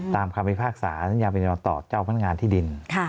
ตามคำพิพากษาศัลยาบินรับต่อเจ้าพันธ์งานที่ดิน